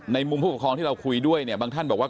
มุมผู้ปกครองที่เราคุยด้วยเนี่ยบางท่านบอกว่า